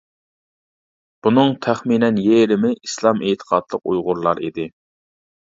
بۇنىڭ تەخمىنەن يېرىمى ئىسلام ئېتىقادلىق ئۇيغۇرلار ئىدى.